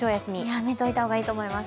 やめといた方がいいと思います。